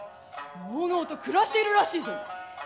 のうのうと暮らしているらしいぞ！